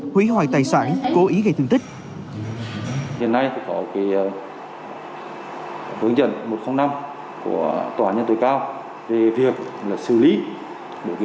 hủy hoại tài sản cố ý gây thương tích